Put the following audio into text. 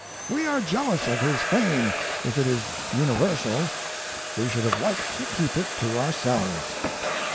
We are jealous of his fame if it is universal; we should have liked to keep it to ourselves.